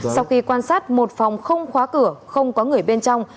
sau khi quan sát một phòng không khóa cửa không có người bên trong